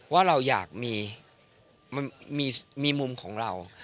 ว่าเราอยากมีมุมของเรา